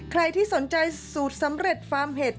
ใครที่สนใจสูตรสำเร็จฟาร์มเห็ด